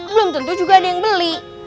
belum tentu juga ada yang beli